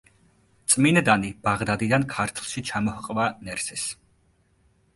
წმინდანი ბაღდადიდან ქართლში ჩამოჰყვა ნერსეს.